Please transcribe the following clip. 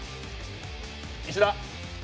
石田！？